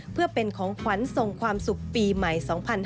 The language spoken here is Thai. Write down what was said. เพื่อเป็นของขวัญส่งความสุขปีใหม่๒๕๕๙